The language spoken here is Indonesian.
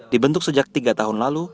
dibentuk sejak tiga tahun lalu